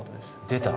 出た。